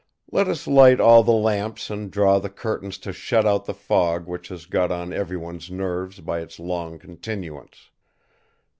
Let us light all the lamps and draw the curtains to shut out the fog which has got on everyone's nerves by its long continuance.